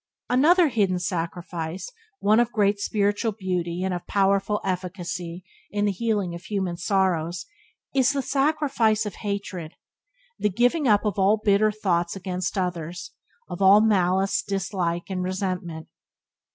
Another hidden sacrifice, one of great spiritual beauty and of powerful efficacy in the healing of human sorrows, is the sacrifice of hatred — the giving up of all bitter thoughts against others, of all malice, dislike, and resentment.